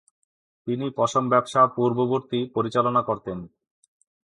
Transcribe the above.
তিনি পশম ব্যবসা "পূর্ববর্তী" পরিচালনা করতেন।